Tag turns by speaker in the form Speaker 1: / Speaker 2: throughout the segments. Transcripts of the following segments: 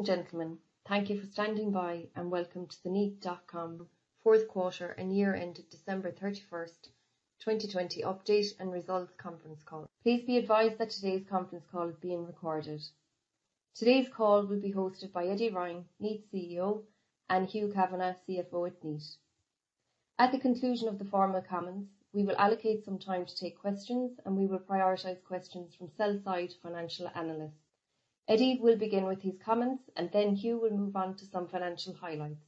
Speaker 1: Ladies and gentlemen, thank you for standing by, and welcome to the Kneat.com fourth quarter and year-end of December 31st, 2020 update and results conference call. Please be advised that today's conference call is being recorded. Today's call will be hosted by Eddie Ryan, Kneat's CEO, and Hugh Kavanagh, CFO at Kneat. At the conclusion of the formal comments, we will allocate some time to take questions, and we will prioritize questions from sell-side financial analysts. Eddie will begin with his comments, and then Hugh will move on to some financial highlights.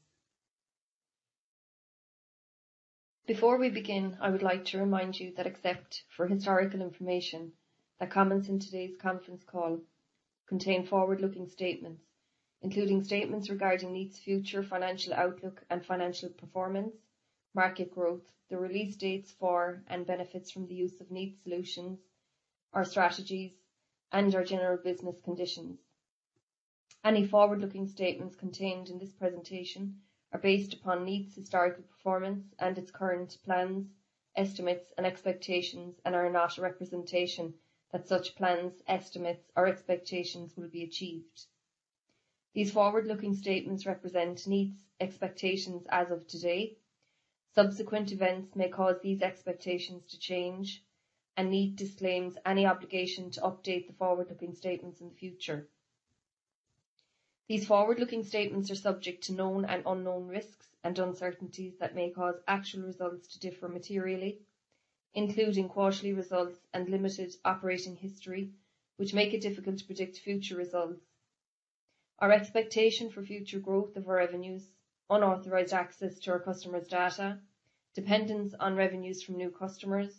Speaker 1: Before we begin, I would like to remind you that except for historical information, the comments in today's conference call contain forward-looking statements, including statements regarding Kneat's future financial outlook and financial performance, market growth, the release dates for and benefits from the use of Kneat's solutions, our strategies, and our general business conditions. Any forward-looking statements contained in this presentation are based upon Kneat's historical performance and its current plans, estimates, and expectations and are not a representation that such plans, estimates, or expectations will be achieved. These forward-looking statements represent Kneat's expectations as of today. Subsequent events may cause these expectations to change, and Kneat disclaims any obligation to update the forward-looking statements in the future. These forward-looking statements are subject to known and unknown risks and uncertainties that may cause actual results to differ materially, including quarterly results and limited operating history, which make it difficult to predict future results. Our expectation for future growth of our revenues, unauthorized access to our customers' data, dependence on revenues from new customers,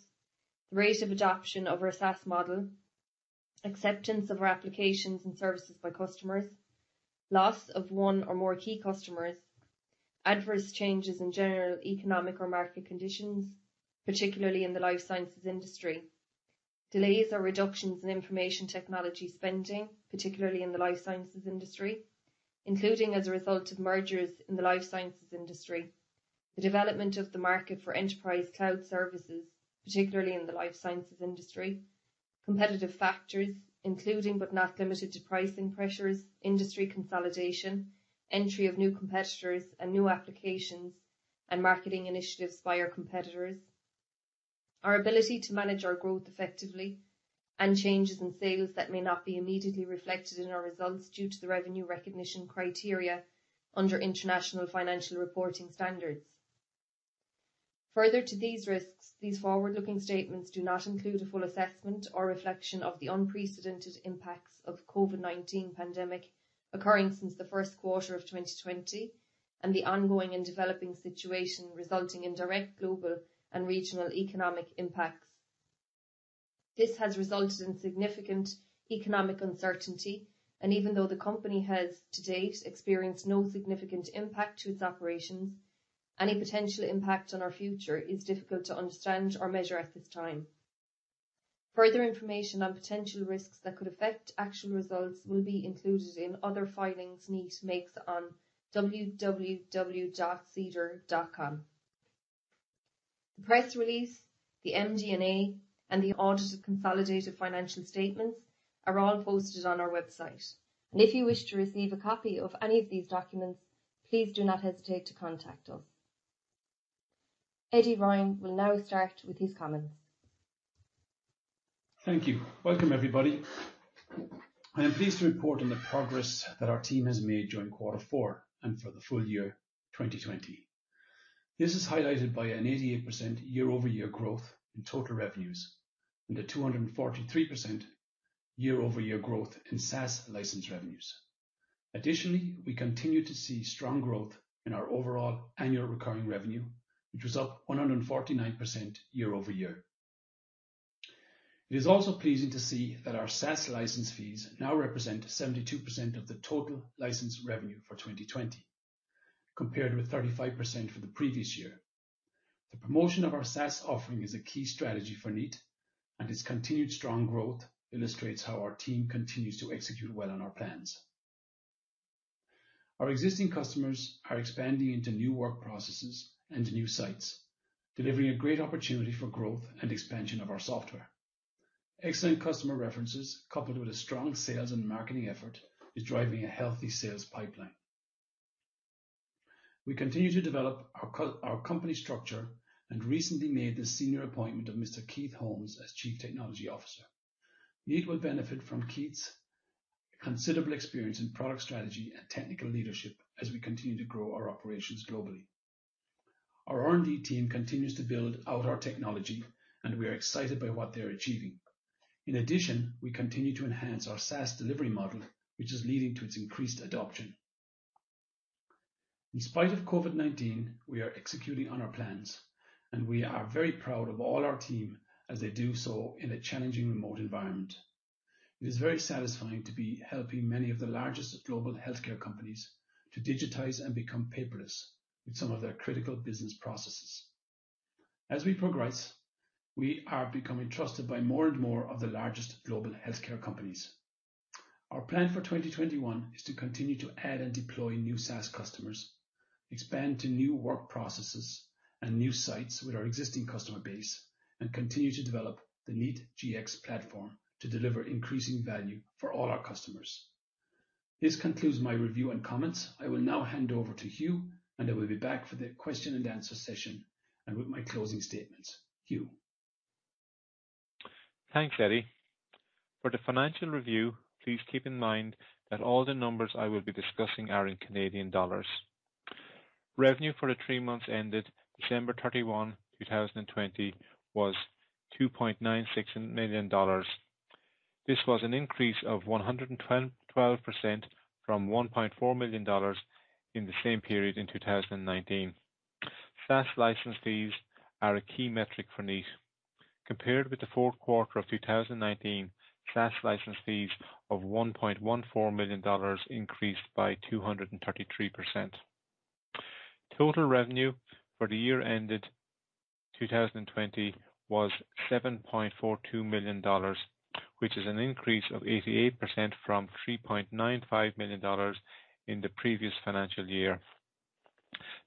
Speaker 1: the rate of adoption of our SaaS model, acceptance of our applications and services by customers, loss of one or more key customers, adverse changes in general economic or market conditions, particularly in the life sciences industry, delays or reductions in information technology spending, particularly in the life sciences industry, including as a result of mergers in the life sciences industry, the development of the market for enterprise cloud services, particularly in the life sciences industry, competitive factors, including but not limited to pricing pressures, industry consolidation, entry of new competitors and new applications, and marketing initiatives by our competitors, our ability to manage our growth effectively, and changes in sales that may not be immediately reflected in our results due to the revenue recognition criteria under International Financial Reporting Standards. Further to these risks, these forward-looking statements do not include a full assessment or reflection of the unprecedented impacts of COVID-19 pandemic occurring since the first quarter of 2020 and the ongoing and developing situation resulting in direct global and regional economic impacts. This has resulted in significant economic uncertainty, and even though the company has to date experienced no significant impact to its operations, any potential impact on our future is difficult to understand or measure at this time. Further information on potential risks that could affect actual results will be included in other filings Kneat makes on www.sedar.com. The press release, the MD&A, and the audited consolidated financial statements are all posted on our website. If you wish to receive a copy of any of these documents, please do not hesitate to contact us. Eddie Ryan will now start with his comments.
Speaker 2: Thank you. Welcome, everybody. I am pleased to report on the progress that our team has made during quarter four and for the full year 2020. This is highlighted by an 88% year-over-year growth in total revenues and a 243% year-over-year growth in SaaS license revenues. Additionally, we continue to see strong growth in our overall annual recurring revenue, which was up 149% year-over-year. It is also pleasing to see that our SaaS license fees now represent 72% of the total license revenue for 2020, compared with 35% for the previous year. The promotion of our SaaS offering is a key strategy for Kneat, and its continued strong growth illustrates how our team continues to execute well on our plans. Our existing customers are expanding into new work processes and new sites, delivering a great opportunity for growth and expansion of our software. Excellent customer references coupled with a strong sales and marketing effort is driving a healthy sales pipeline. We continue to develop our company structure and recently made the senior appointment of Mr. Keith Holmes as Chief Technology Officer. Kneat will benefit from Keith's considerable experience in product strategy and technical leadership as we continue to grow our operations globally. Our R&D team continues to build out our technology, and we are excited by what they are achieving. In addition, we continue to enhance our SaaS delivery model, which is leading to its increased adoption. In spite of COVID-19, we are executing on our plans, and we are very proud of all our team as they do so in a challenging remote environment. It is very satisfying to be helping many of the largest global healthcare companies to digitize and become paperless with some of their critical business processes. As we progress, we are becoming trusted by more and more of the largest global healthcare companies. Our plan for 2021 is to continue to add and deploy new SaaS customers. Expand to new work processes and new sites with our existing customer base and continue to develop the Kneat Gx platform to deliver increasing value for all our customers. This concludes my review and comments. I will now hand over to Hugh, and I will be back for the question and answer session and with my closing statements. Hugh.
Speaker 3: Thanks, Eddie. For the financial review, please keep in mind that all the numbers I will be discussing are in Canadian dollars. Revenue for the three months ended December 31, 2020, was 2.96 million dollars. This was an increase of 112% from 1.4 million dollars in the same period in 2019. SaaS license fees are a key metric for Kneat. Compared with the fourth quarter of 2019, SaaS license fees of 1.14 million dollars increased by 233%. Total revenue for the year ended 2020 was 7.42 million dollars, which is an increase of 88% from 3.95 million dollars in the previous financial year.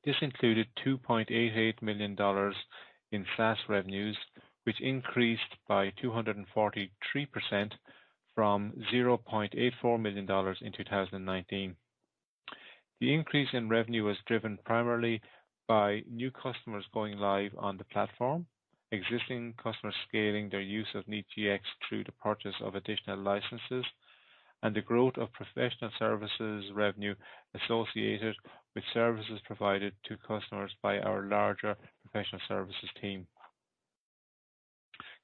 Speaker 3: This included 2.88 million dollars in SaaS revenues, which increased by 243% from 0.84 million dollars in 2019. The increase in revenue was driven primarily by new customers going live on the platform, existing customers scaling their use of Kneat Gx through the purchase of additional licenses, and the growth of professional services revenue associated with services provided to customers by our larger professional services team.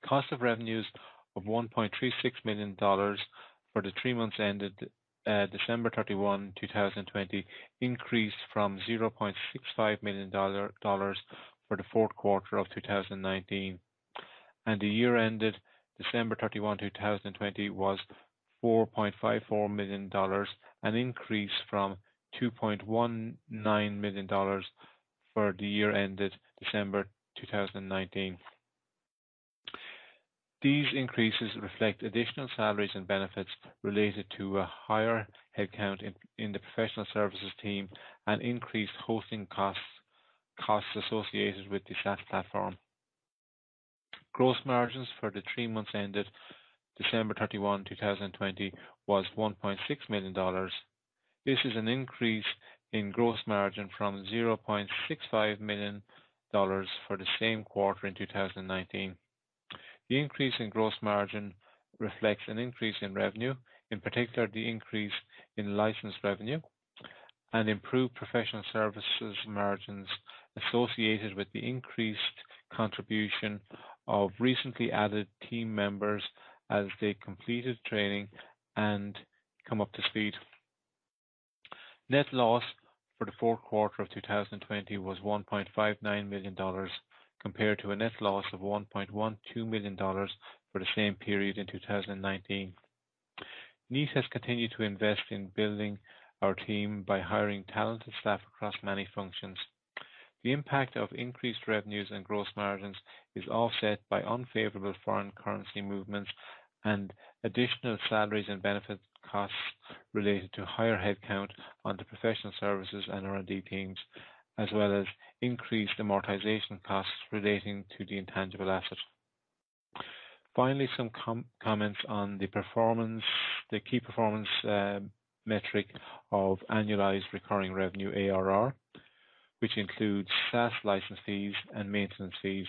Speaker 3: Cost of revenues of 1.36 million dollars for the three months ended December 31, 2020, increased from 0.65 million dollar for the fourth quarter of 2019, and the year ended December 31, 2020, was 4.54 million dollars, an increase from 2.19 million dollars for the year ended December 2019. These increases reflect additional salaries and benefits related to a higher headcount in the professional services team and increased hosting costs associated with the SaaS platform. Gross margins for the three months ended December 31, 2020, was 1.6 million dollars. This is an increase in gross margin from 0.65 million dollars for the same quarter in 2019. The increase in gross margin reflects an increase in revenue, in particular the increase in license revenue and improved professional services margins associated with the increased contribution of recently added team members as they completed training and come up to speed. Net loss for the fourth quarter of 2020 was 1.59 million dollars, compared to a net loss of 1.12 million dollars for the same period in 2019. Kneat has continued to invest in building our team by hiring talented staff across many functions. The impact of increased revenues and gross margins is offset by unfavorable foreign currency movements and additional salaries and benefit costs related to higher headcount on the professional services and R&D teams, as well as increased amortization costs relating to the intangible asset. Finally, some comments on the key performance metric of annualized recurring revenue, ARR, which includes SaaS license fees and maintenance fees.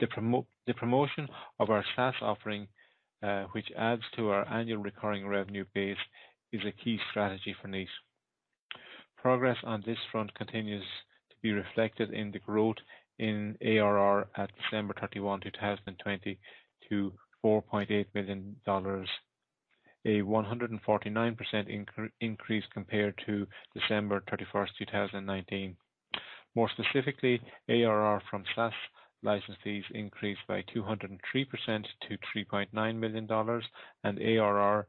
Speaker 3: The promotion of our SaaS offering, which adds to our annual recurring revenue base, is a key strategy for Kneat. Progress on this front continues to be reflected in the growth in ARR at December 31, 2020, to CAD 4.8 million, a 149% increase compared to December 31st, 2019. More specifically, ARR from SaaS license fees increased by 203% to 3.9 million dollars, and ARR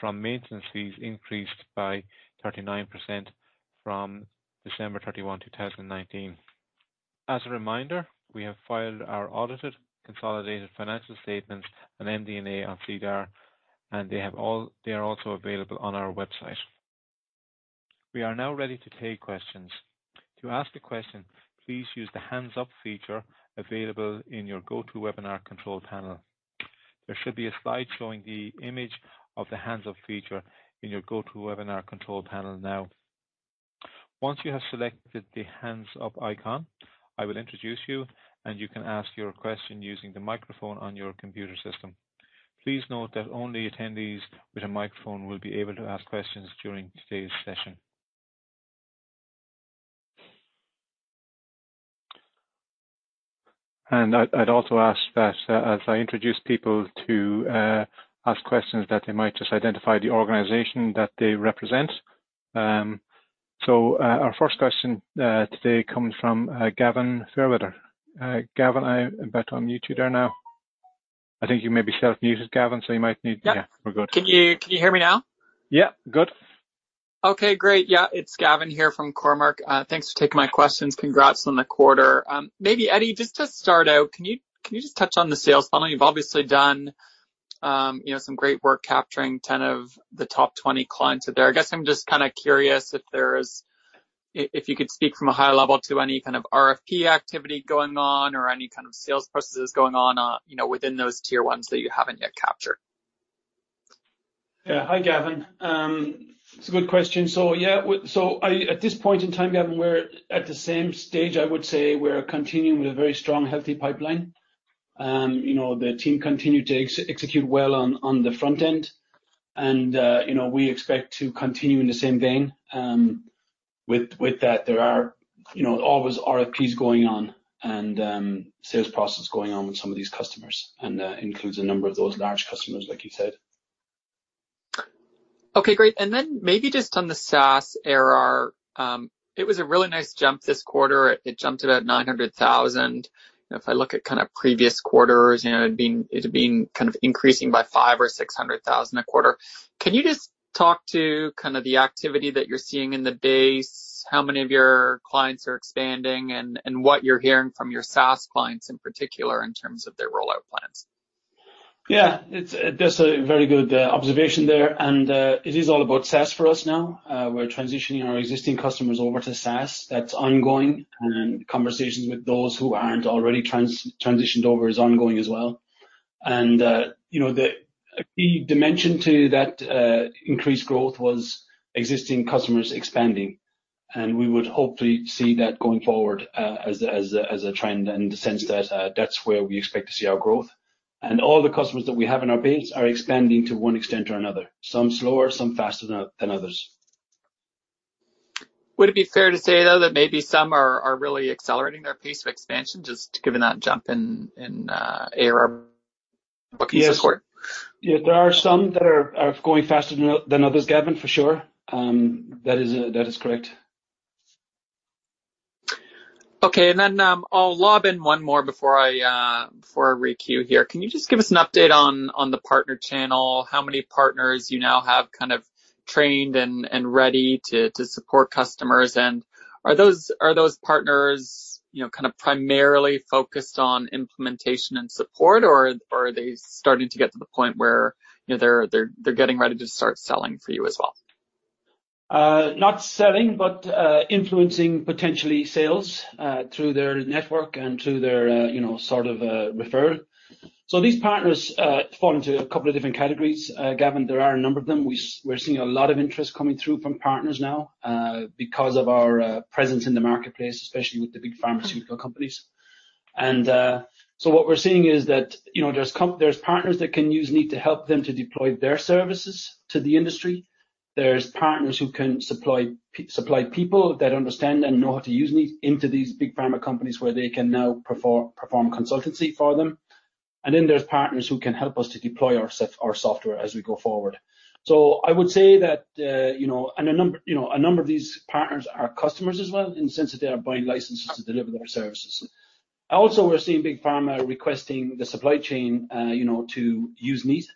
Speaker 3: from maintenance fees increased by 39% from December 31, 2019. As a reminder, we have filed our audited consolidated financial statements and MD&A on SEDAR, and they are also available on our website. We are now ready to take questions. To ask a question, please use the hands up feature available in your GoToWebinar control panel. There should be a slide showing the image of the hands up feature in your GoToWebinar control panel now. Once you have selected the hands up icon, I will introduce you, and you can ask your question using the microphone on your computer system. Please note that only attendees with a microphone will be able to ask questions during today's session. I'd also ask that as I introduce people to ask questions, that they might just identify the organization that they represent. Our first question today comes from Gavin Fairweather. Gavin, I bet on you to go now. I think you may be self-muted, Gavin, so you might need-
Speaker 4: Yeah.
Speaker 3: We're good.
Speaker 4: Can you hear me now?
Speaker 3: Yeah. Good.
Speaker 4: Okay, great. Yeah, it's Gavin here from Cormark. Thanks for taking my questions. Congrats on the quarter. Maybe Eddie, just to start out, can you just touch on the sales funnel? You've obviously done some great work capturing 10 of the top 20 clients there. I guess I'm just curious if you could speak from a high level to any kind of RFP activity going on or any kind of sales processes going on within those tier ones that you haven't yet captured?
Speaker 2: Yeah. Hi, Gavin. It's a good question. Yeah. At this point in time, Gavin, we're at the same stage, I would say. We're continuing with a very strong, healthy pipeline. The team continue to execute well on the front end. We expect to continue in the same vein. With that, there are always RFPs going on and sales process going on with some of these customers, and that includes a number of those large customers like you said.
Speaker 4: Okay, great. Maybe just on the SaaS ARR. It was a really nice jump this quarter. It jumped about 900,000. If I look at previous quarters, it being kind of increasing by 500,000 or 600,000 a quarter. Can you just talk to kind of the activity that you're seeing in the base, how many of your clients are expanding, and what you're hearing from your SaaS clients in particular in terms of their rollout plans?
Speaker 2: Yeah. That's a very good observation there, and it is all about SaaS for us now. We're transitioning our existing customers over to SaaS. That's ongoing. Conversations with those who aren't already transitioned over is ongoing as well. The key dimension to that increased growth was existing customers expanding. We would hopefully see that going forward as a trend in the sense that that's where we expect to see our growth. All the customers that we have in our base are expanding to one extent or another. Some slower, some faster than others.
Speaker 4: Would it be fair to say, though, that maybe some are really accelerating their pace of expansion, just given that jump in ARR bookings support?
Speaker 2: Yes. There are some that are going faster than others, Gavin, for sure. That is correct.
Speaker 4: Okay, I'll lob in one more before I re-queue here. Can you just give us an update on the partner channel? How many partners you now have trained and ready to support customers? Are those partners primarily focused on implementation and support, or are they starting to get to the point where they're getting ready to start selling for you as well?
Speaker 2: Not selling, but influencing potentially sales through their network and through their sort of referral. These partners fall into a couple of different categories, Gavin. There are a number of them. We're seeing a lot of interest coming through from partners now because of our presence in the marketplace, especially with the big pharmaceutical companies. What we're seeing is that there's partners that can use Kneat to help them to deploy their services to the industry. There's partners who can supply people that understand and know how to use Kneat into these big pharma companies where they can now perform consultancy for them. There's partners who can help us to deploy our software as we go forward. I would say that a number of these partners are customers as well in the sense that they are buying licenses to deliver their services. Also, we're seeing big pharma requesting the supply chain to use Kneat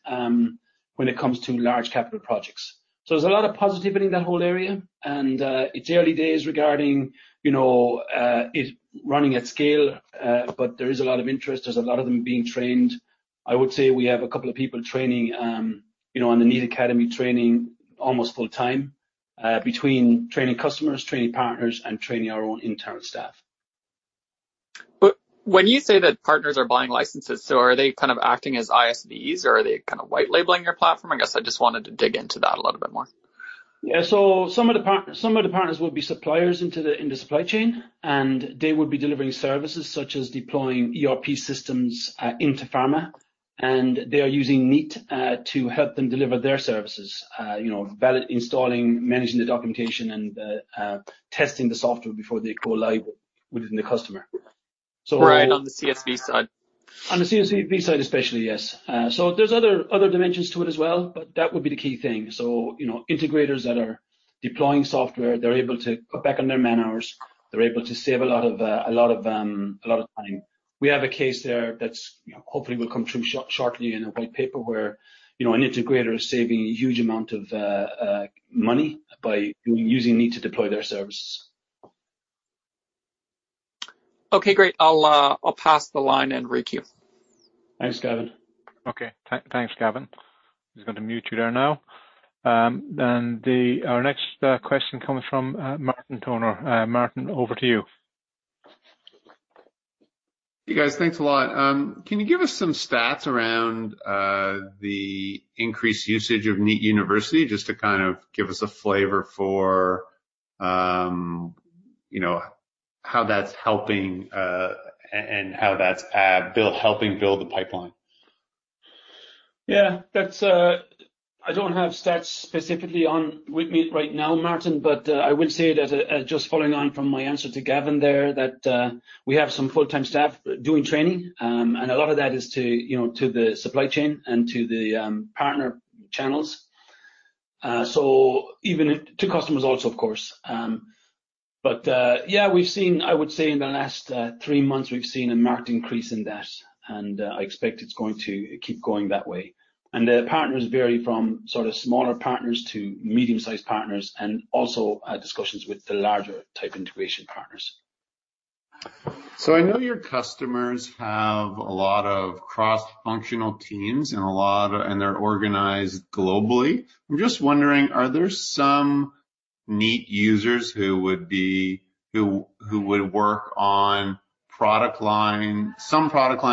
Speaker 2: when it comes to large capital projects. There's a lot of positivity in that whole area, and it's early days regarding it running at scale. There is a lot of interest. There's a lot of them being trained. I would say we have a couple of people training on the Kneat Academy training almost full time, between training customers, training partners, and training our own internal staff.
Speaker 4: When you say that partners are buying licenses, so are they kind of acting as ISVs or are they kind of white labeling your platform? I guess I just wanted to dig into that a little bit more.
Speaker 2: Yeah. Some of the partners will be suppliers in the supply chain, and they will be delivering services such as deploying ERP systems into pharma. They are using Kneat to help them deliver their services, validating, installing, managing the documentation, and testing the software before they go live within the customer.
Speaker 4: Right on the CSV side.
Speaker 2: On the CSV side especially, yes. There's other dimensions to it as well, but that would be the key thing. Integrators that are deploying software, they're able to cut back on their man-hours. They're able to save a lot of time. We have a case there that hopefully will come through shortly in a white paper where an integrator is saving a huge amount of money by using Kneat to deploy their services.
Speaker 4: Okay, great. I'll pass the line and re-queue.
Speaker 2: Thanks, Gavin.
Speaker 3: Okay. Thanks, Gavin. Just going to mute you there now. Our next question comes from Martin Toner. Martin, over to you.
Speaker 5: Hey, guys. Thanks a lot. Can you give us some stats around the increased usage of Kneat University, just to kind of give us a flavor for how that's helping and how that's helping build the pipeline?
Speaker 2: Yeah. I don't have stats specifically with me right now, Martin, but I would say that, just following on from my answer to Gavin there, that we have some full-time staff doing training. A lot of that is to the supply chain and to the partner channels. To customers also, of course. Yeah, I would say in the last three months, we've seen a marked increase in that, and I expect it's going to keep going that way. The partners vary from sort of smaller partners to medium-sized partners, and also discussions with the larger type integration partners.
Speaker 5: I know your customers have a lot of cross-functional teams and they're organized globally. I'm just wondering, are there some Kneat users who would work on some product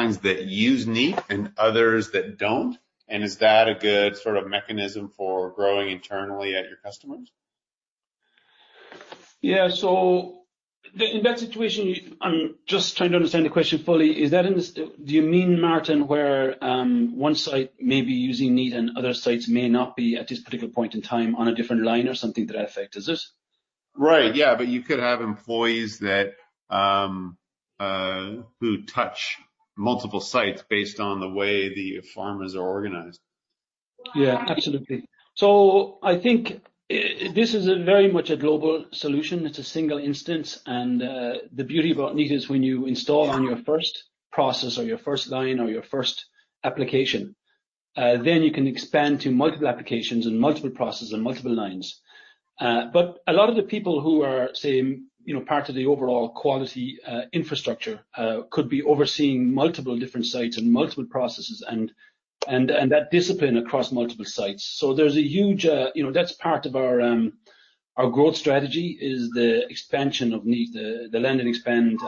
Speaker 5: lines that use Kneat and others that don't? Is that a good sort of mechanism for growing internally at your customers?
Speaker 2: Yeah. In that situation, I'm just trying to understand the question fully. Do you mean, Martin, where one site may be using Kneat and other sites may not be at this particular point in time on a different line or something to that effect? Is it?
Speaker 5: Right. Yeah, you could have employees who touch multiple sites based on the way the firms are organized.
Speaker 2: Yeah, absolutely. I think this is very much a global solution. It's a single instance, and the beauty about Kneat is when you install on your first process or your first line or your first application, then you can expand to multiple applications and multiple processes and multiple lines. But a lot of the people who are part of the overall quality infrastructure could be overseeing multiple different sites and multiple processes, and that discipline across multiple sites. That's part of our growth strategy, is the expansion of Kneat, the land and expand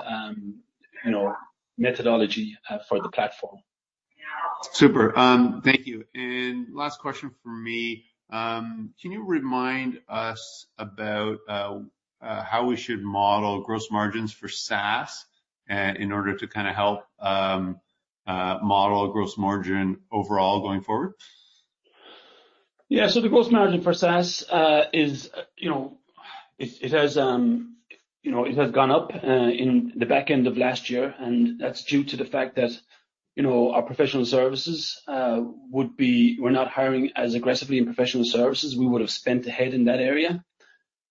Speaker 2: methodology for the platform.
Speaker 5: Super. Thank you. Last question from me. Can you remind us about how we should model gross margins for SaaS in order to kind of help model gross margin overall going forward?
Speaker 2: Yeah. The gross margin for SaaS has gone up in the back end of last year, and that's due to the fact that our professional services, we're not hiring as aggressively in professional services. We would have spent ahead in that area.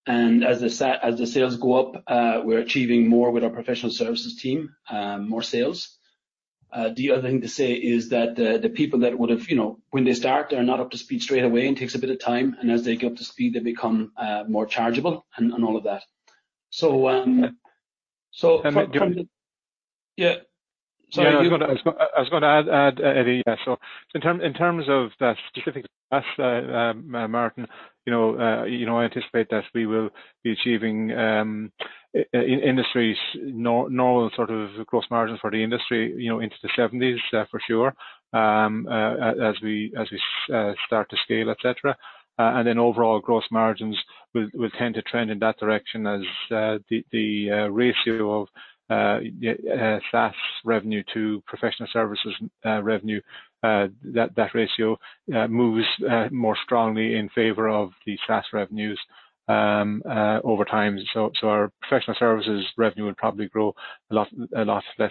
Speaker 2: As the sales go up, we're achieving more with our professional services team, more sales. The other thing to say is that the people when they start, they're not up to speed straight away, it takes a bit of time, and as they get up to speed, they become more chargeable and all of that.
Speaker 3: Can I--
Speaker 2: Yeah. Sorry.
Speaker 3: I was going to add, Eddie. In terms of that specific SaaS, Martin, I anticipate that we will be achieving normal sort of gross margins for the industry into the 70s for sure as we start to scale, et cetera. Overall gross margins will tend to trend in that direction as the ratio of SaaS revenue to professional services revenue, that ratio moves more strongly in favor of the SaaS revenues over time. Our professional services revenue will probably grow a lot less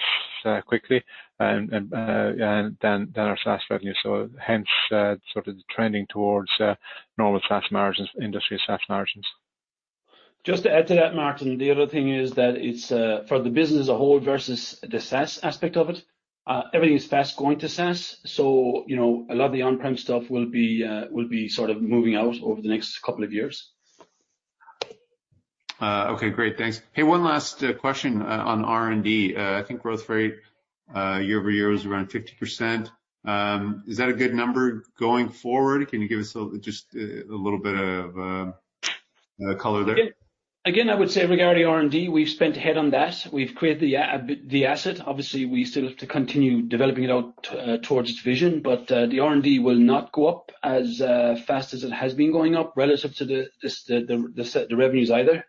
Speaker 3: quickly than our SaaS revenue. Hence sort of the trending towards normal SaaS margins, industry SaaS margins.
Speaker 2: Just to add to that, Martin, the other thing is that for the business as a whole versus the SaaS aspect of it, everything is fast going to SaaS. A lot of the on-prem stuff will be sort of moving out over the next couple of years.
Speaker 5: Okay, great. Thanks. Hey, one last question on R&D. I think growth rate year-over-year was around 50%. Is that a good number going forward? Can you give us just a little bit of color there?
Speaker 2: Again, I would say regarding R&D, we've spent ahead on that. We've created the asset. Obviously, we still have to continue developing it out towards its vision, but the R&D will not go up as fast as it has been going up relative to the revenues either.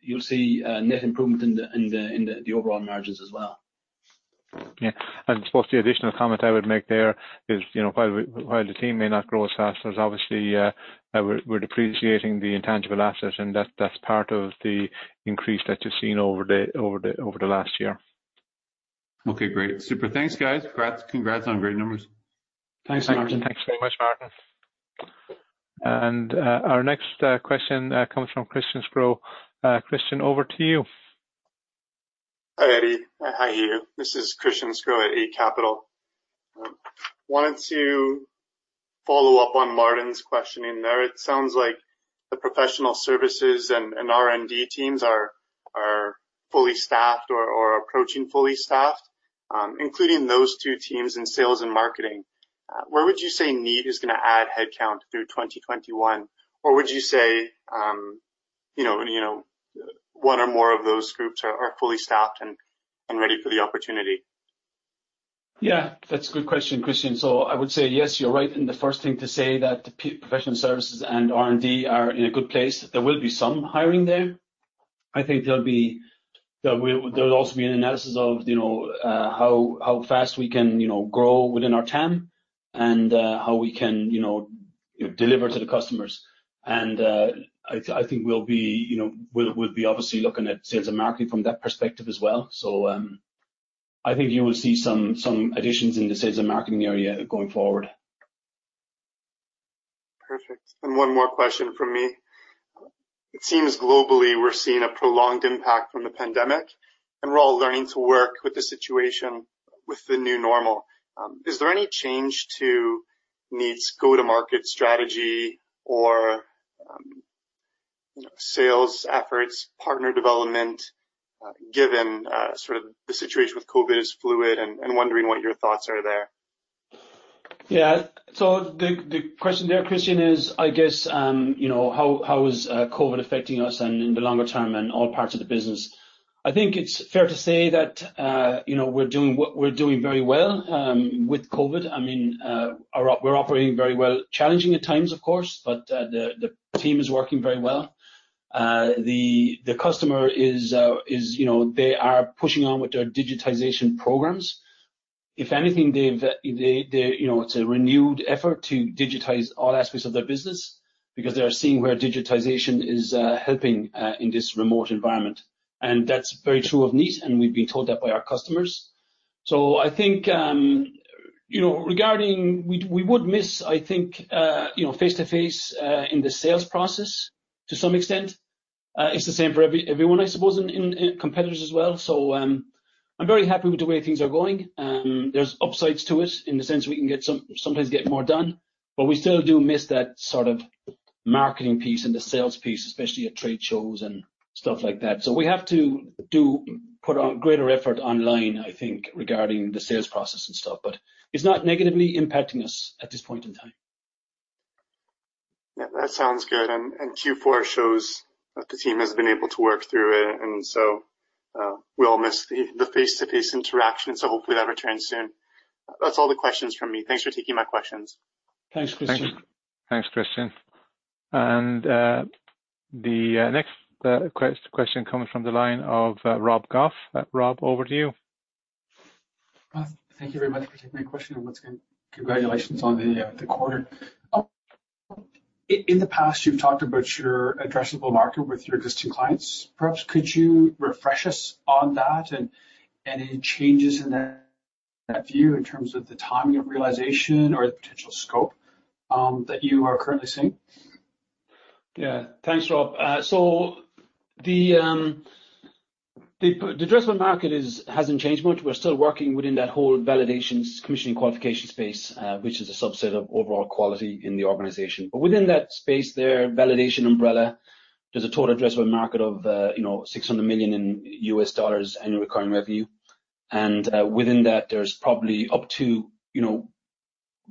Speaker 2: You'll see a net improvement in the overall margins as well.
Speaker 3: Yeah. I suppose the additional comment I would make there is, while the team may not grow as fast, there's obviously, we're depreciating the intangible asset, and that's part of the increase that you've seen over the last year.
Speaker 5: Okay, great. Super. Thanks, guys. Congrats on great numbers.
Speaker 2: Thanks, Martin.
Speaker 3: Thanks very much, Martin. Our next question comes from Christian Sgro. Christian, over to you.
Speaker 6: Hi, Eddie. Hi, Hugh. This is Christian Sgro at Eight Capital. Wanted to follow up on Martin's questioning there. It sounds like the professional services and R&D teams are fully staffed or approaching fully staffed, including those two teams in sales and marketing. Where would you say Kneat is going to add headcount through 2021? Or would you say one or more of those groups are fully staffed and ready for the opportunity?
Speaker 2: Yeah, that's a good question, Christian. I would say yes, you're right. The first thing to say that the professional services and R&D are in a good place. There will be some hiring there. I think there'll be an analysis of how fast we can grow within our TAM and how we can deliver to the customers. I think we'll be obviously looking at sales and marketing from that perspective as well. I think you will see some additions in the sales and marketing area going forward.
Speaker 6: Perfect. One more question from me. It seems globally we're seeing a prolonged impact from the pandemic, and we're all learning to work with the situation with the new normal. Is there any change to Kneat's go-to-market strategy or sales efforts, partner development, given the situation with COVID is fluid, and wondering what your thoughts are there.
Speaker 2: Yeah. The question there, Christian, is I guess how is COVID affecting us and in the longer term and all parts of the business. I think it's fair to say that we're doing very well with COVID. We're operating very well, challenging at times, of course, but the team is working very well. The customer, they are pushing on with their digitization programs. If anything, it's a renewed effort to digitize all aspects of their business because they're seeing where digitization is helping in this remote environment. That's very true of Kneat, and we've been told that by our customers. I think we would miss, I think, face-to-face in the sales process to some extent. It's the same for everyone, I suppose, and competitors as well. I'm very happy with the way things are going. There's upsides to it in the sense we can sometimes get more done, but we still do miss that sort of marketing piece and the sales piece, especially at trade shows and stuff like that. We have to put out greater effort online, I think, regarding the sales process and stuff, but it's not negatively impacting us at this point in time.
Speaker 6: Yeah, that sounds good. Q4 shows that the team has been able to work through it, and so we all miss the face-to-face interaction, so hopefully that returns soon. That's all the questions from me. Thanks for taking my questions.
Speaker 2: Thanks, Christian.
Speaker 3: Thanks, Christian. The next question comes from the line of Rob Goff. Rob, over to you.
Speaker 7: Thank you very much for taking my question, and once again, congratulations on the quarter. In the past, you've talked about your addressable market with your existing clients. Perhaps could you refresh us on that and any changes in that view in terms of the timing of realization or the potential scope that you are currently seeing?
Speaker 2: Yeah. Thanks, Rob. The addressable market hasn't changed much. We're still working within that whole validations, commissioning, qualification space, which is a subset of overall quality in the organization. Within that space there, validation umbrella, there's a total addressable market of $600 million annual recurring revenue. Within that, there's probably up to,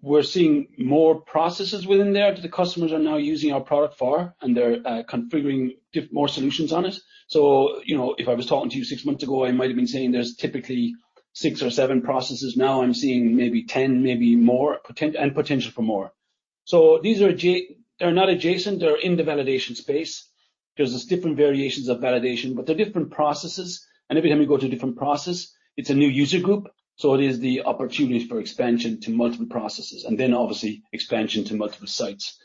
Speaker 2: we're seeing more processes within there that the customers are now using our product for, and they're configuring more solutions on it. If I was talking to you six months ago, I might've been saying there's typically six or seven processes. Now I'm seeing maybe 10, maybe more, and potential for more. They're not adjacent, they're in the validation space because there's different variations of validation, but they're different processes. Every time you go to a different process, it's a new user group, so it is the opportunities for expansion to multiple processes. Obviously expansion to multiple sites.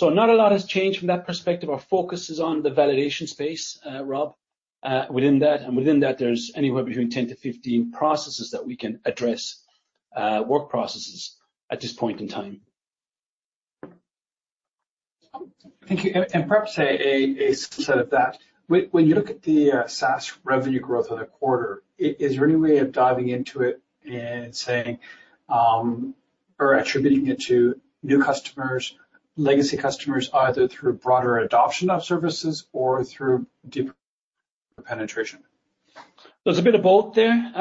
Speaker 2: Not a lot has changed from that perspective. Our focus is on the validation space, Rob, within that. Within that, there's anywhere between 10-15 processes that we can address, work processes, at this point in time.
Speaker 7: Thank you, Eddie. Perhaps a subset of that, when you look at the SaaS revenue growth of the quarter, is there any way of diving into it and saying or attributing it to new customers, legacy customers, either through broader adoption of services or through deeper penetration?
Speaker 2: There's a bit of both there.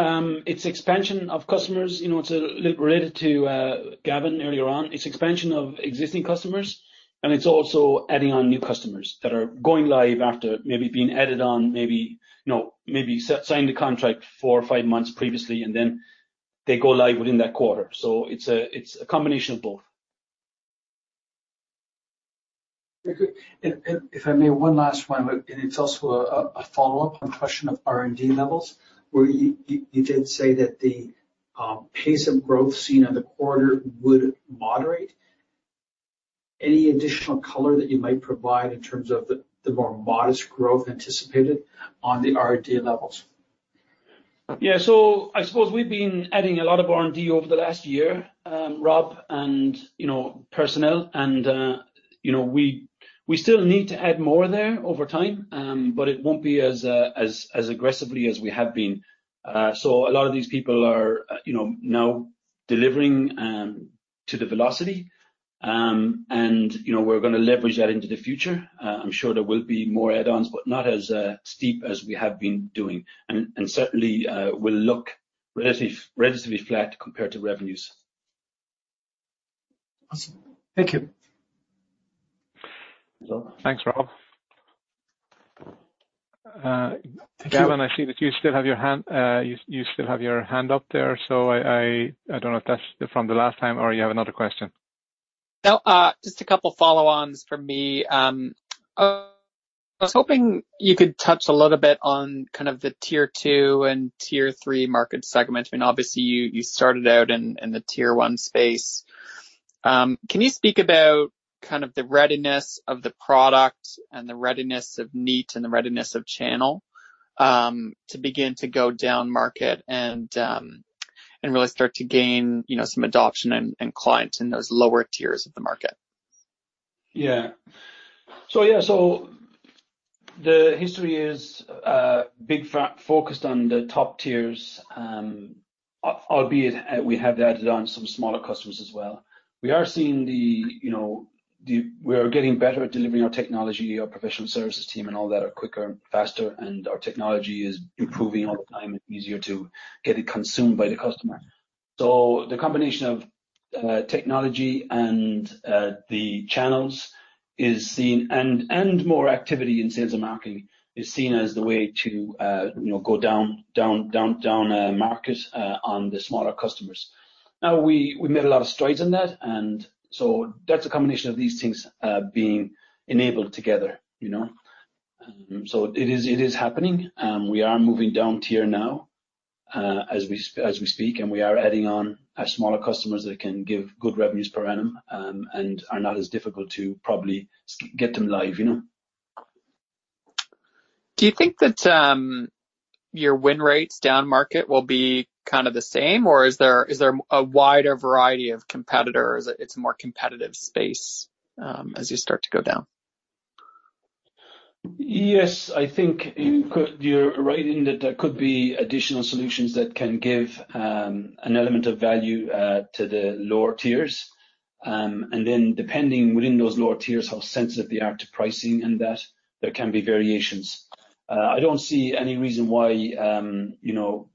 Speaker 2: It's expansion of customers. It's a little related to Gavin earlier on. It's expansion of existing customers, and it's also adding on new customers that are going live after maybe being added on, maybe signed a contract four or five months previously, and then they go live within that quarter. It's a combination of both.
Speaker 7: Very good. If I may, one last one, and it's also a follow-up on question of R&D levels, where you did say that the pace of growth seen in the quarter would moderate. Any additional color that you might provide in terms of the more modest growth anticipated on the R&D levels?
Speaker 2: Yeah. I suppose we've been adding a lot of R&D over the last year, Rob, and personnel, and we still need to add more there over time, but it won't be as aggressively as we have been. A lot of these people are now delivering to the velocity, and we're going to leverage that into the future. I'm sure there will be more add-ons, but not as steep as we have been doing. Certainly, we'll look relatively flat compared to revenues.
Speaker 7: Awesome. Thank you.
Speaker 3: Thanks, Rob. Gavin, I see that you still have your hand up there, so I don't know if that's from the last time, or you have another question?
Speaker 4: No, just a couple follow-ons from me. I was hoping you could touch a little bit on kind of the tier two and tier three market segment. I mean, obviously you started out in the tier one space. Can you speak about kind of the readiness of the product and the readiness of Kneat and the readiness of channel to begin to go down market and really start to gain some adoption and clients in those lower tiers of the market?
Speaker 2: Yeah. The history is big pharma focused on the top tiers. Albeit we have added on some smaller customers as well. We are getting better at delivering our technology, our professional services team and all that are quicker, faster, and our technology is improving all the time. It's easier to get it consumed by the customer. The combination of technology and the channels and more activity in sales and marketing is seen as the way to go down the market on the smaller customers. Now, we made a lot of strides in that, and that's a combination of these things being enabled together. It is happening. We are moving down tier now as we speak, and we are adding on smaller customers that can give good revenues per annum and are not as difficult to probably get them live.
Speaker 4: Do you think that your win rates down market will be kind of the same, or is there a wider variety of competitors? It's a more competitive space as you start to go down.
Speaker 2: Yes. I think you're right in that there could be additional solutions that can give an element of value to the lower tiers. Then depending within those lower tiers, how sensitive they are to pricing and that, there can be variations. I don't see any reason why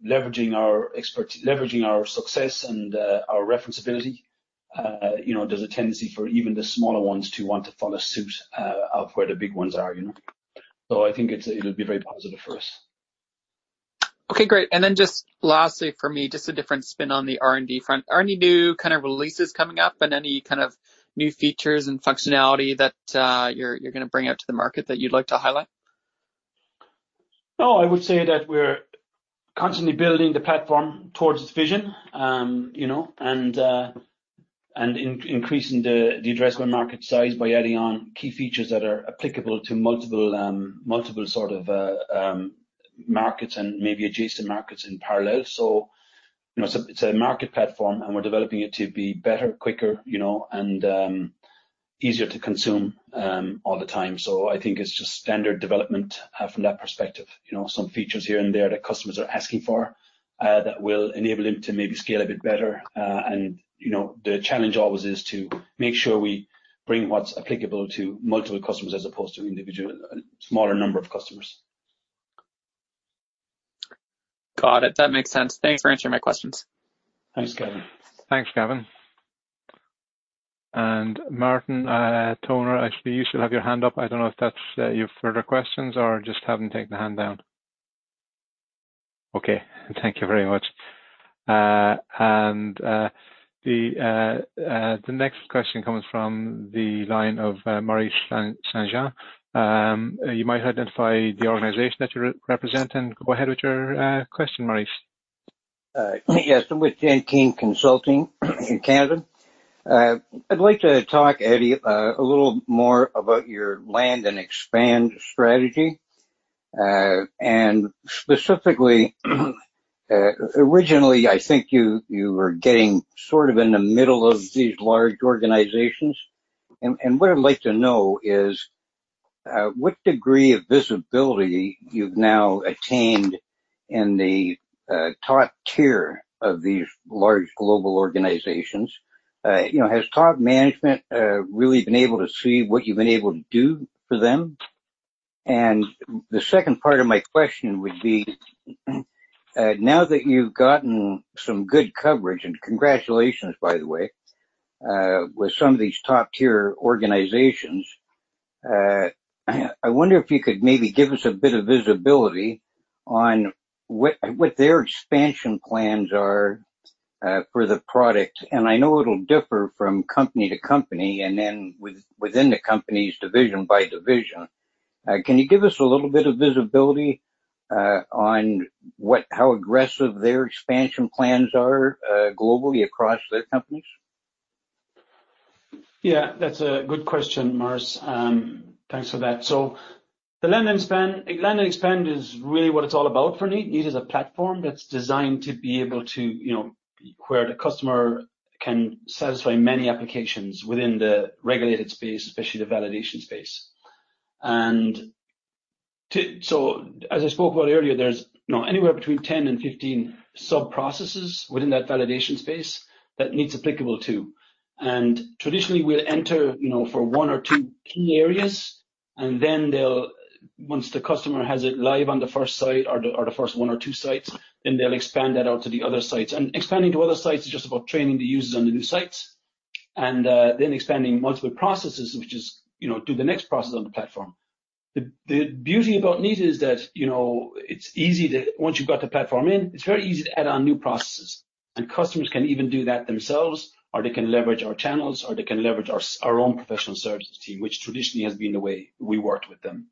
Speaker 2: leveraging our success and our reference ability, there's a tendency for even the smaller ones to want to follow suit of where the big ones are. I think it'll be very positive for us.
Speaker 4: Okay, great. Then just lastly from me, just a different spin on the R&D front. Are any new kind of releases coming up and any kind of new features and functionality that you're going to bring out to the market that you'd like to highlight?
Speaker 2: No, I would say that we're constantly building the platform towards its vision, and increasing the addressable market size by adding on key features that are applicable to multiple sort of markets and maybe adjacent markets in parallel. It's a market platform, and we're developing it to be better, quicker, and easier to consume all the time. I think it's just standard development from that perspective. Some features here and there that customers are asking for that will enable them to maybe scale a bit better. The challenge always is to make sure we bring what's applicable to multiple customers as opposed to individual, smaller number of customers.
Speaker 4: Got it. That makes sense. Thanks for answering my questions.
Speaker 2: Thanks, Gavin.
Speaker 3: Thanks, Gavin. Martin Toner, actually, you still have your hand up. I don't know if that's you have further questions or just haven't taken the hand down. Okay. Thank you very much. The next question comes from the line of Maurice St-Jean. You might identify the organization that you're representing. Go ahead with your question, Maurice.
Speaker 8: Yes, I'm with Jennkean Consulting in Canada. I'd like to talk, Eddie, a little more about your land and expand strategy. Specifically, originally, I think you were getting sort of in the middle of these large organizations. What I'd like to know is, what degree of visibility you've now attained in the top tier of these large global organizations. Has top management really been able to see what you've been able to do for them? The second part of my question would be, now that you've gotten some good coverage, and congratulations by the way, with some of these top-tier organizations, I wonder if you could maybe give us a bit of visibility on what their expansion plans are for the product. I know it'll differ from company to company, and then within the company's division by division. Can you give us a little bit of visibility on how aggressive their expansion plans are globally across their companies?
Speaker 2: Yeah, that's a good question, Maurice. Thanks for that. The land and expand is really what it's all about for Kneat. Kneat is a platform that's designed to be able to where the customer can satisfy many applications within the regulated space, especially the validation space. As I spoke about earlier, there's anywhere between 10 and 15 sub-processes within that validation space that Kneat's applicable to. Traditionally, we'll enter for one or two key areas, and then once the customer has it live on the first site or the first one or two sites, then they'll expand that out to the other sites. Expanding to other sites is just about training the users on the new sites and then expanding multiple processes, which is do the next process on the platform. The beauty about Kneat is that, once you've got the platform in, it's very easy to add on new processes. Customers can even do that themselves, or they can leverage our channels, or they can leverage our own professional services team, which traditionally has been the way we worked with them.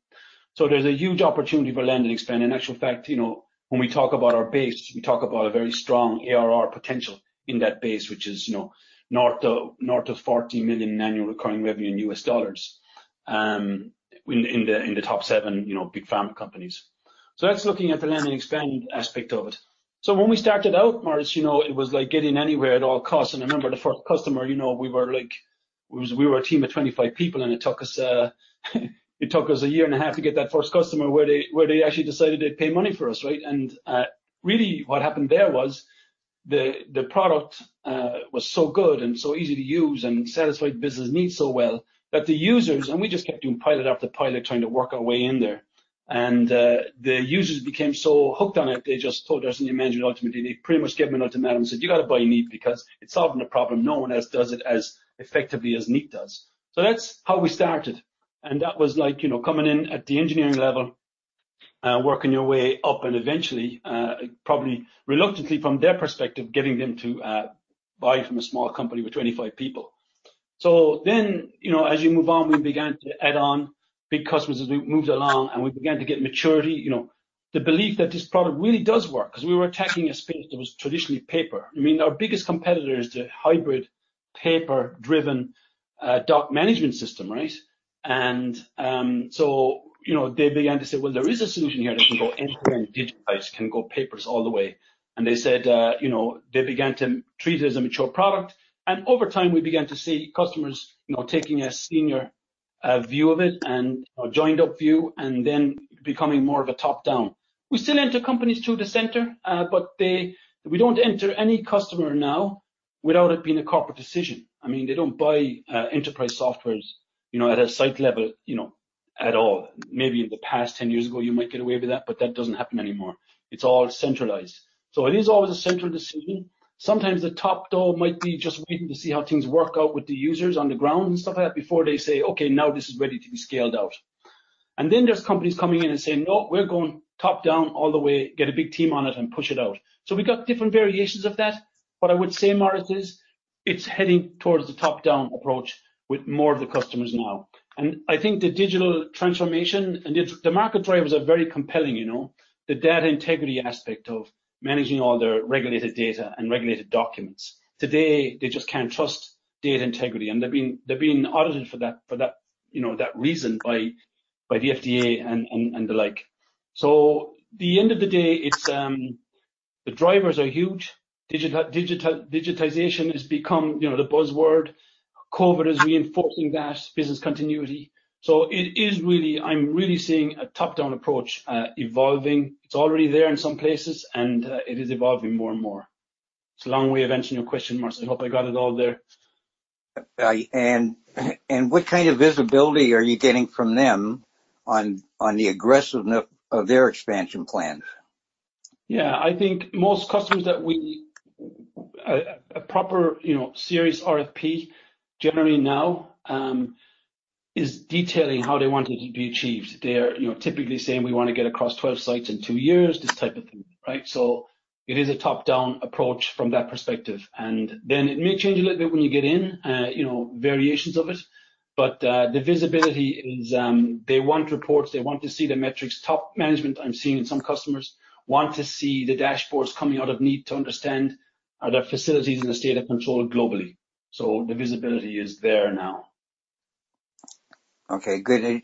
Speaker 2: There's a huge opportunity for land and expand. In actual fact, when we talk about our base, we talk about a very strong ARR potential in that base, which is north of $40 million in annual recurring revenue in U.S. dollars in the top seven big pharma companies. That's looking at the land and expand aspect of it. When we started out, Maurice, it was like getting anywhere at all costs. I remember the first customer. We were a team of 25 people, and it took us a year and a half to get that first customer where they actually decided they'd pay money for us, right? Really what happened there was the product was so good and so easy to use and satisfied business needs so well that the users and we just kept doing pilot after pilot, trying to work our way in there. The users became so hooked on it, they just told us, and the manager ultimately, they pretty much gave him an ultimatum and said, "You got to buy Kneat because it's solving a problem. No one else does it as effectively as Kneat does." That's how we started. That was coming in at the engineering level, working your way up, and eventually, probably reluctantly from their perspective, getting them to buy from a small company with 25 people. As you move on, we began to add on big customers as we moved along, and we began to get maturity. The belief that this product really does work, because we were attacking a space that was traditionally paper. I mean, our biggest competitor is the hybrid paper-driven doc management system, right? They began to say, "Well, there is a solution here that can go end-to-end digitized, can go paperless all the way." They said they began to treat it as a mature product. Over time, we began to see customers taking a senior view of it and a joined-up view and then becoming more of a top-down. We still enter companies through the center, but we don't enter any customer now without it being a corporate decision. They don't buy enterprise softwares at a site level at all. Maybe in the past 10 years ago, you might get away with that, but that doesn't happen anymore. It's all centralized. It is always a central decision. Sometimes the top door might be just waiting to see how things work out with the users on the ground and stuff like that before they say, "Okay, now this is ready to be scaled out." There's companies coming in and saying, "No, we're going top-down all the way. Get a big team on it and push it out." We got different variations of that. What I would say, Maurice, is it's heading towards the top-down approach with more of the customers now. I think the digital transformation and the market drivers are very compelling. The data integrity aspect of managing all their regulated data and regulated documents. Today, they just can't trust data integrity, and they're being audited for that reason by the FDA and the like. At the end of the day, the drivers are huge. Digitization has become the buzzword. COVID is reinforcing that business continuity. I'm really seeing a top-down approach evolving. It's already there in some places, and it is evolving more and more. It's a long way of answering your question, Maurice. I hope I got it all there.
Speaker 8: What kind of visibility are you getting from them on the aggressiveness of their expansion plans?
Speaker 2: Yeah, I think most customers. A proper, serious RFP generally now is detailing how they want it to be achieved. They're typically saying, "We want to get across 12 sites in two years," this type of thing, right? It is a top-down approach from that perspective. It may change a little bit when you get in, variations of it. The visibility is they want reports. They want to see the metrics. Top management, I'm seeing in some customers, want to see the dashboards coming out of Kneat to understand are their facilities in a state of control globally. The visibility is there now.
Speaker 8: Okay, good.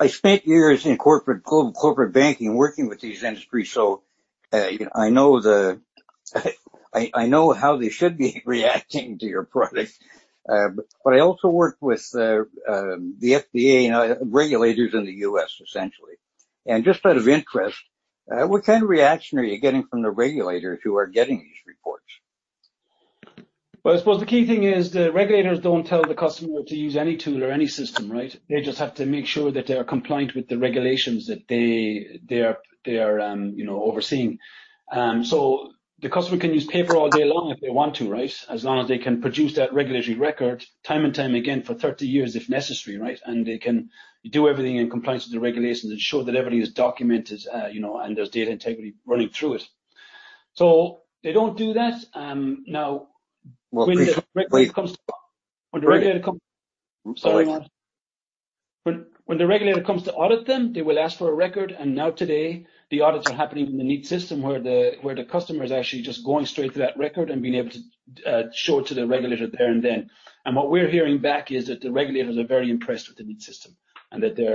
Speaker 8: I spent years in corporate banking working with these industries, so I know how they should be reacting to your product. I also worked with the FDA and regulators in the U.S., essentially. Just out of interest, what kind of reaction are you getting from the regulators who are getting these reports?
Speaker 2: Well, I suppose the key thing is the regulators don't tell the customer to use any tool or any system, right? They just have to make sure that they are compliant with the regulations that they are overseeing. The customer can use paper all day long if they want to, right? As long as they can produce that regulatory record time and time again for 30 years if necessary, right? They can do everything in compliance with the regulations and show that everything is documented, and there's data integrity running through it. They don't do that.
Speaker 8: Well-
Speaker 2: When the regulator comes.
Speaker 8: Sorry.
Speaker 2: When the regulator comes to audit them, they will ask for a record, and now today, the audits are happening in the Kneat system where the customer is actually just going straight to that record and being able to show it to the regulator there and then. What we're hearing back is that the regulators are very impressed with the Kneat system, and that they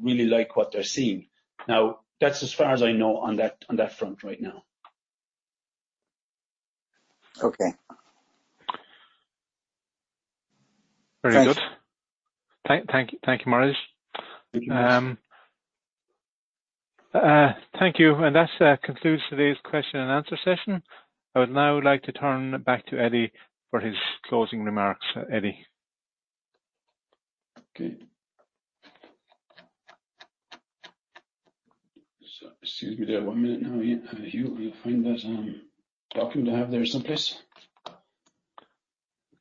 Speaker 2: really like what they're seeing. Now, that's as far as I know on that front right now.
Speaker 8: Okay.
Speaker 3: Very good. Thank you, Maurice.
Speaker 8: Thank you.
Speaker 3: Thank you. That concludes today's question and answer session. I would now like to turn back to Eddie for his closing remarks. Eddie.
Speaker 2: Okay. Excuse me there one minute now while I find that document I have there someplace.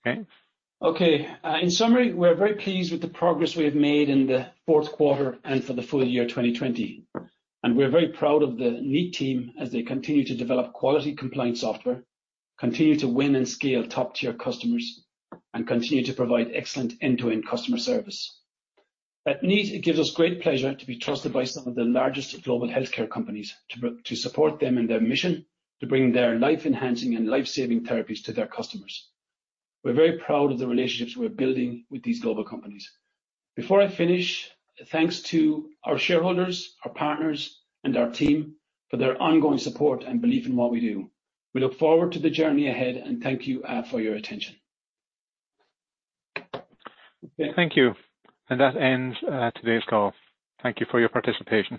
Speaker 3: Okay.
Speaker 2: Okay. In summary, we're very pleased with the progress we have made in the fourth quarter and for the full year 2020. We're very proud of the Kneat team as they continue to develop quality compliance software, continue to win and scale top-tier customers, and continue to provide excellent end-to-end customer service. At Kneat, it gives us great pleasure to be trusted by some of the largest global healthcare companies to support them in their mission to bring their life-enhancing and life-saving therapies to their customers. We're very proud of the relationships we're building with these global companies. Before I finish, thanks to our shareholders, our partners, and our team for their ongoing support and belief in what we do. We look forward to the journey ahead, and thank you for your attention.
Speaker 3: Thank you. That ends today's call. Thank you for your participation.